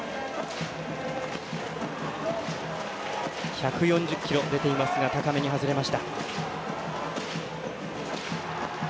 １４０キロ出ていますが高めに外れました。